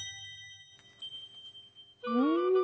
うん！